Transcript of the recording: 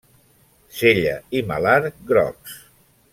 Cella i malar grocs.